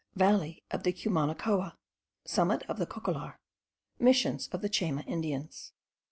VALLEY OF THE CUMANACOA. SUMMIT OF THE COCOLLAR. MISSIONS OF THE CHAYMA INDIANS.